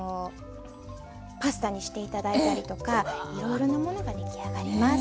パスタにして頂いたりとかいろいろなものが出来上がります。